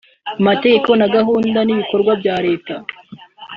amategeko na gahunda n’ibikorwa bya Leta